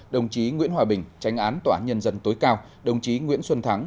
đồng chí nguyễn hòa bình tranh án tòa nhân dân tối cao đồng chí nguyễn xuân thắng